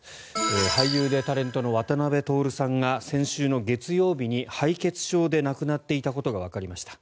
俳優でタレントの渡辺徹さんが先週の月曜日に敗血症で亡くなっていたことがわかりました。